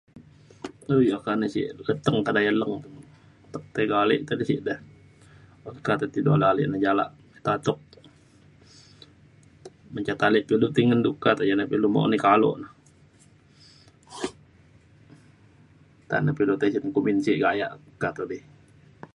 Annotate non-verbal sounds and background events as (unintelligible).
du oka ya ne sek keteng kedaya leng. atek tiga ale te de sek da. okak te du ale ale ja alak tatuk. mencat ale pa ilu ti ngen du kata (unintelligible) ngan du kalo na. nta na ilu tisen kumbin sek gayak kata de.